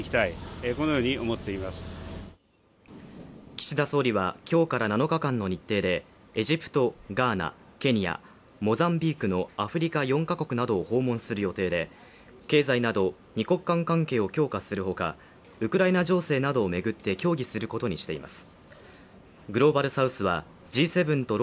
岸田総理は今日から７日間の日程でエジプト、ガーナ、ケニア、モザンビークのアフリカ４か国などを訪問する予定で、経済など二国間関係を強化するほか、ウクライナ情勢などを巡って協議することにしています。